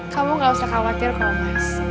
kamu gak usah khawatir kok mas